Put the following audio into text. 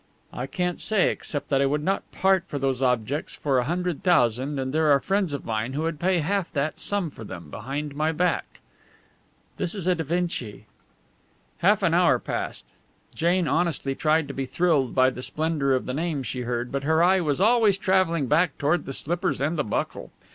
"I can't say, except that I would not part with those objects for a hundred thousand; and there are friends of mine who would pay half that sum for them behind my back. This is a Da Vinci." Half an hour passed. Jane honestly tried to be thrilled by the splendour of the names she heard, but her eye was always travelling back toward the slippers and the buckle.